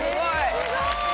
すごい！